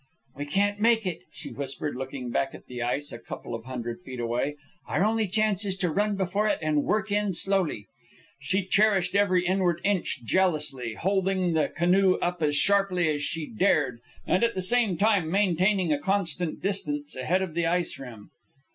"We can't make it," she whispered, looking back at the ice a couple of hundred feet away. "Our only chance is to run before it and work in slowly." She cherished every inward inch jealously, holding the canoe up as sharply as she dared and at the same time maintaining a constant distance ahead of the ice rim.